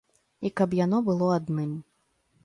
І каб яно было адным.